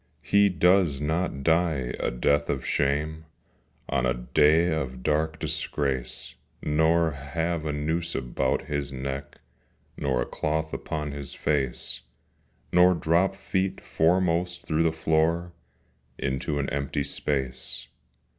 He does not die a death of shame On a day of dark disgrace, Nor have a noose about his neck, Nor a cloth upon his face, Nor drop feet foremost through the floor Into an empty space.